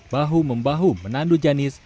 bahu membahu menandu janis